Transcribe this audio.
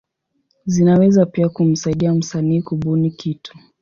Zinaweza pia kumsaidia msanii kubuni kitu.